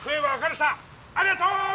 ありがとう！